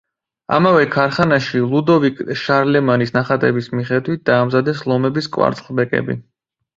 ამავე ქარხანაში ლუდოვიკ შარლემანის ნახატების მიხედვით დაამზადეს ლომების კვარცხლბეკები.